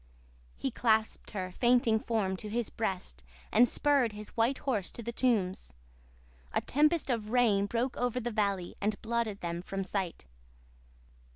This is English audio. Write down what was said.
"He clasped her fainting form to his breast and spurred his white horse to the tombs. A tempest of rain broke over the valley and blotted them from sight.